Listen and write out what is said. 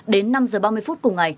đến năm h ba mươi phút cùng ngày